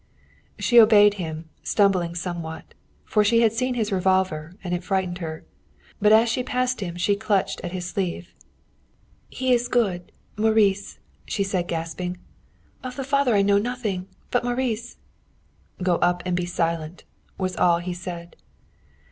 She obeyed him, stumbling somewhat. For she had seen his revolver, and it frightened her. But as she passed him she clutched at his sleeve. "He is good Maurice," she said, gasping. "Of the father I know nothing, but Maurice " "Go up and be silent!" was all he said.